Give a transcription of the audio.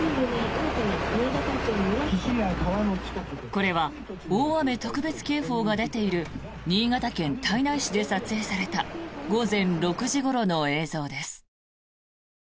これは大雨特別警報が出ている新潟県胎内市で撮影された午前６時ごろの映像です。